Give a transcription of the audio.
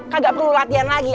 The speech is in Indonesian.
kagak perlu latihan lagi